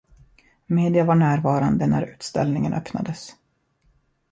Media var närvarande när utställningen öppnades.